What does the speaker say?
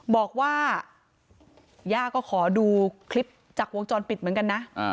บอกว่าย่าก็ขอดูคลิปจากวงจรปิดเหมือนกันนะ